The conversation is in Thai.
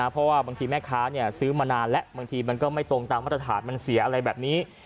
เพราะว่าบางทีแม่ค้าซื้อมานานแล้วบางทีมันก็ไม่ตรงตามมาตรฐานมันเสียอะไรแบบนี้